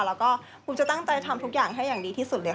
แล้วก็ภูมิจะตั้งใจทำทุกอย่างให้อย่างดีที่สุดเลย